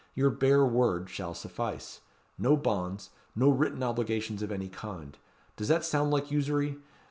Your bare word shall suffice. No bonds no written obligations of any kind. Does that sound like usury?